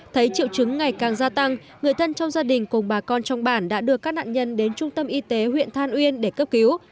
thấy triệu chứng ngày càng gia tăng người thân trong gia đình cùng bà con trong bản đã đưa các nạn nhân đến trung tâm y tế huyện than uyên để cấp cứu